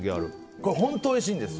これ本当おいしいんです。